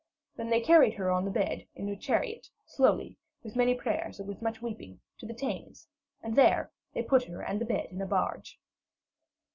Then they carried her on the bed in a chariot, slowly, with many prayers and with much weeping, to the Thames, and there they put her and the bed in a barge.